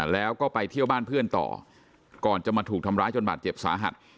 แล้วก็ไปเที่ยวบ้านเพื่อนต่อก่อนจะมาถูกทำร้ายจนบาดเจ็บสาหัส